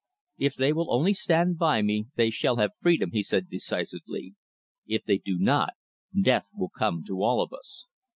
"If they will only stand by me they shall have freedom," he said decisively. "If they do not, death will come to all of us."